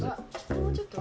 もうちょっと。